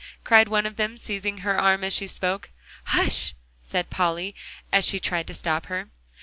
cried one of them, seizing her arm as she spoke. "Hush!" said Polly, as she tried to stop her.